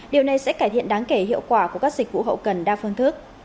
điều này sẽ cải thiện đáng kể hiệu quả của các dịch vụ hậu cần đa phương thức